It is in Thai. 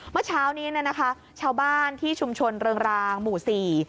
เมื่อเช้านี้เนี่ยนะคะชาวบ้านที่ชุมชนเริงรางหมู่สี่